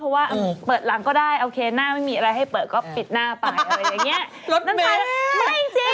เพราะว่าเปิดหลังก็ได้โอเคหน้าไม่มีอะไรให้เปิดก็ปิดหน้าไปอะไรอย่างนี้